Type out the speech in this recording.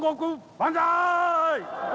万歳！